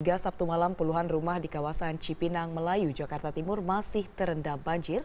hingga sabtu malam puluhan rumah di kawasan cipinang melayu jakarta timur masih terendam banjir